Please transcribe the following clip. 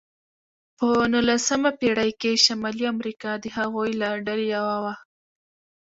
په نوولسمه پېړۍ کې شمالي امریکا د هغوی له ډلې یوه وه.